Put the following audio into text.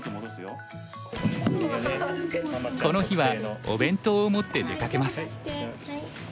この日はお弁当を持って出かけます。